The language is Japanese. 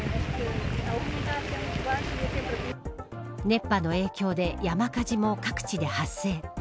熱波の影響で山火事も各地で発生。